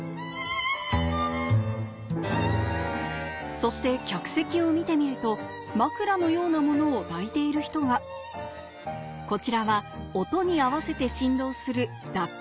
そして客席を見てみると枕のようなものを抱いている人がこちらは音に合わせて振動する抱っこ